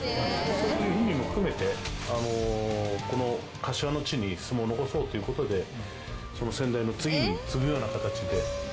そういう意味も含めてこの柏の地に相撲を残そうという事でその先代の次に継ぐような形で。